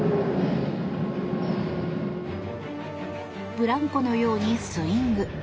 ブランコのようにスイング。